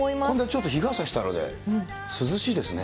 ちょっと日傘したらね、涼しいですね。